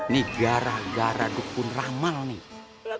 nih gara gara gue pun ramal nih